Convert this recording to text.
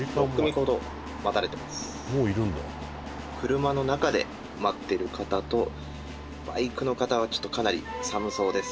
「車の中で待ってる方とバイクの方はちょっと、かなり寒そうです」